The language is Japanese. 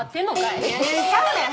いやちゃうねん！